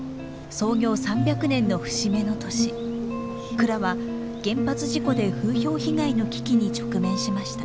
創業３００年の節目の年蔵は原発事故で風評被害の危機に直面しました。